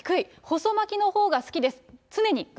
細巻きのほうが好きです。